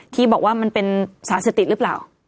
ที่บอกว่ามันเป็นสารเสพติดหรือเปล่า